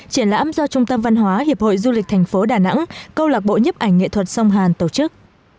triển lãm do trung tâm văn hóa hiệp hội du lịch thành phố đà nẵng câu lạc bộ nhiếp ảnh nghệ thuật sông hàn tổ chức